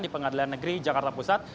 di pengadilan negeri jakarta pusat